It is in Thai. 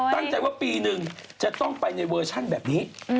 ตั้งใจว่าปีหนึ่งจะต้องไปในเวอร์ชันแบบนี้